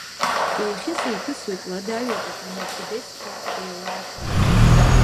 Еихьыс-еиԥысуеит, лада-ҩада, амерседесқәа еилаарцыруа.